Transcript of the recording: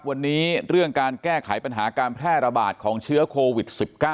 วันนี้เรื่องการแก้ไขปัญหาการแพร่ระบาดของเชื้อโควิด๑๙